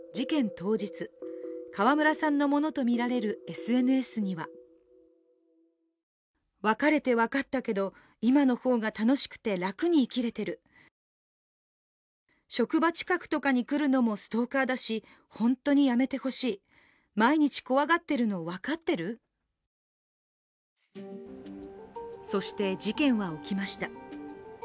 当日川村さんのものとみられるＳＮＳにはそして、事件は起きました。